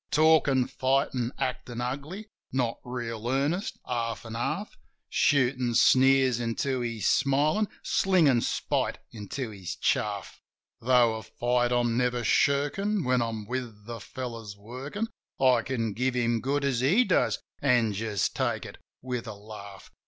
Talkin' fight an' actin' ugly : not reel earnest, half an' half — Shootin' sneers into his smilin', slingin' spite into his chaff. Tho' a fight I'm never shirkin', when I'm with the fellows, workin', I can give him good as he does, an' just take it with a laugh.